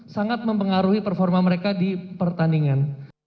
sangat mempengaruhi performa mereka di pertandingan